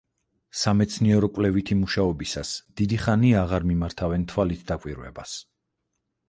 სამეცნიერო-კვლევითი მუშაობისას დიდი ხანია აღარ მიმართავენ თვალით დაკვირვებას.